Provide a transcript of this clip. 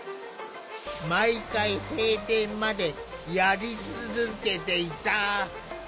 毎回閉店までやり続けていた。